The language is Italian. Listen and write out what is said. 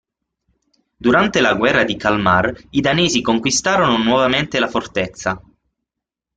Durante la guerra di Kalmar, i danesi conquistarono nuovamente la fortezza.